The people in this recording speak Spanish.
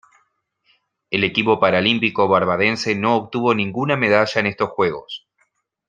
El equipo paralímpico barbadense no obtuvo ninguna medalla en estos Juegos.